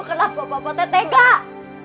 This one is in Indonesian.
kenapa papa teh tegang